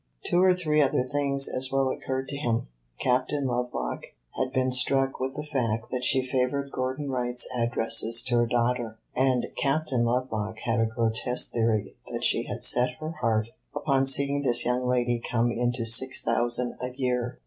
Two or three other things as well occurred to him. Captain Lovelock had been struck with the fact that she favored Gordon Wright's addresses to her daughter, and Captain Lovelock had a grotesque theory that she had set her heart upon seeing this young lady come into six thousand a year.